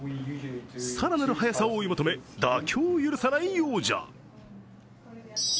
さらなる速さを追い求め妥協を許さない王者。